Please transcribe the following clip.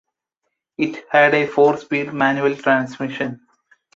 It had a four-speed manual transmission.